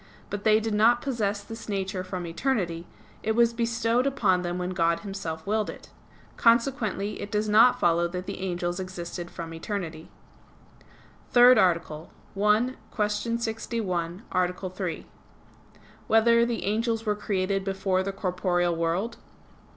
But they did not possess this nature from eternity; it was bestowed upon them when God Himself willed it. Consequently it does not follow that the angels existed from eternity. _______________________ THIRD ARTICLE [I, Q. 61, Art. 3] Whether the Angels Were Created Before the Corporeal World?